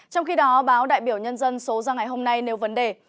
trong khi đó báo đại biểu nhân dân số ra ngày hôm nay nêu vấn đề